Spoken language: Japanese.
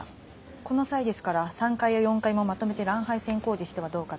この際ですから３階や４階もまとめてラン配線工事してはどうかと。